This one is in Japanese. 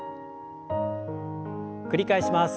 繰り返します。